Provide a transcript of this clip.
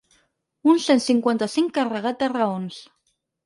Un cent cinquanta-cinc ‘carregat de raons’